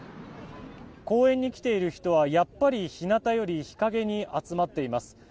公園に来ている人はやっぱり日なたより日陰に集まっています。